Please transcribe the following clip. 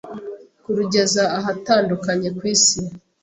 Kurugeza ahatandukanye ku isi